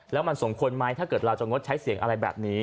แล้วมันสมควรไหมถ้าเกิดเราจะงดใช้เสียงอะไรแบบนี้